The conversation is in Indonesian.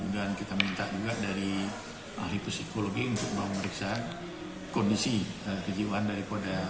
dan kita minta juga dari ahli psikologi untuk memperiksa kondisi kejiwaan dari korban